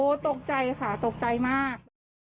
ตกใจค่ะตกใจมาก